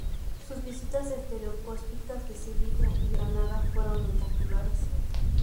Sus vistas estereoscópicas de Sevilla y Granada fueron muy populares.